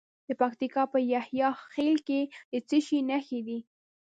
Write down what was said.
د پکتیکا په یحیی خیل کې د څه شي نښې دي؟